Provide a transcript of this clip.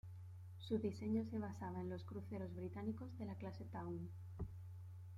Su diseño se basaba en los cruceros británicos de la clase Town.